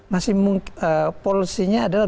masih polosinya adalah